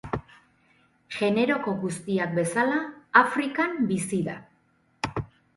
Generoko guztiak bezala Afrikan bizi da.